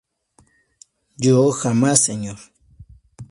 yo, jamás, señor.